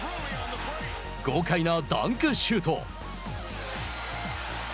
豪快なダンクシュート。